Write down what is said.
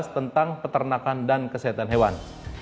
tentang peternakan dan kesehatan hewan